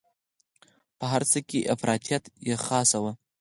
په هر څه کې افراطیت یې خاصه وه.